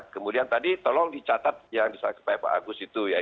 kemudian tadi tolong dicatat yang disampaikan pak agus itu ya